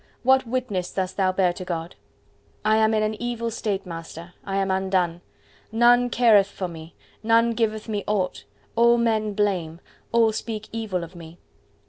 What witness dost thou bear to God?" "I am in evil state, Master, I am undone! None careth for me, none giveth me aught: all men blame, all speak evil of me."